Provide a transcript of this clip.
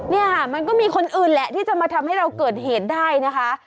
เนี่ยค่ะมันก็มีคนอื่นแหละที่จะมาทำให้เราเกิดเหตุได้นะคะ